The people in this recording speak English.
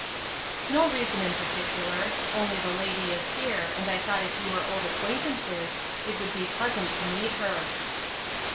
" No reason in particular ; only the lady is here, and I thought if you were old ac quaintances, it would be pleasant to meet her."